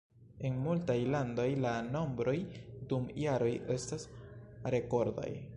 En multaj landoj la nombroj dum jaroj estas rekordaj.